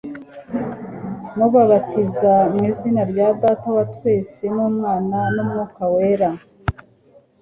mubabatiza mu izina rya Data wa twese n'Umwana n'Umwuka wera